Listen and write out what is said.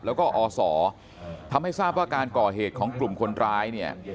แล้วก็อศทำให้ทราบว่าการก่อเหตุของกลุ่มคนร้ายเนี่ย